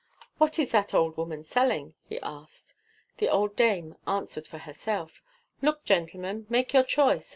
"What is that old woman selling?" he asked. The old dame answered for herself: "Look, gentlemen, make your choice.